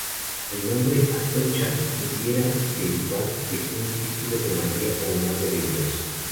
El nombre de "Atocha" pudiera derivar del título de María como Madre de Dios.